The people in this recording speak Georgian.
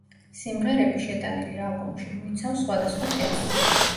სიმღერები, შეტანილი ალბომში, მოიცავს სხვადასხვა თემას.